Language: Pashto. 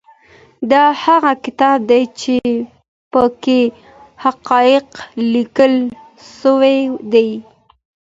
دا هغه کتاب دی چي په کي حقایق لیکل سوي دي.